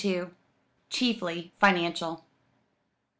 Chiefly Financial.